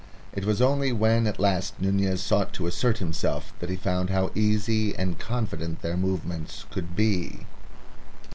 It was only when at last Nunez sought to assert himself that he found how easy and confident their movements could be.